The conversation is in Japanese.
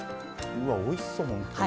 うわおいしそうほんとに。